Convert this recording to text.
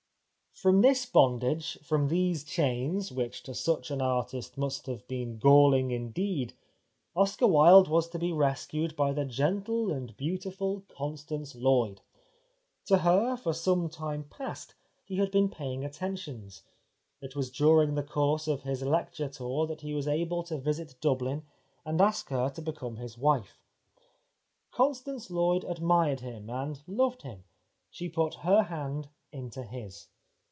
From this bondage, from these chains, which to such an artist must have been galling indeed, Oscar Wilde was to be rescued by the gentle and beautiful Constance Lloyd. To her for some time past he had been paying attentions ; it was during the course of his lecture tour that he was able to visit Dublin and ask her to become his wife. Constance Lloyd admired him and loved him ; she put her hand into his.